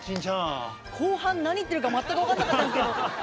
後半何言ってるか全く分かんなかったんですけど。